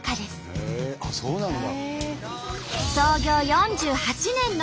へえそうなんだ。